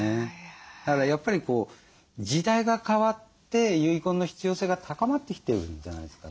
だからやっぱり時代が変わって遺言の必要性が高まってきてるんじゃないですかね？